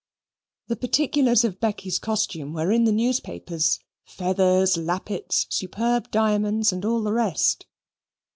The particulars of Becky's costume were in the newspapers feathers, lappets, superb diamonds, and all the rest.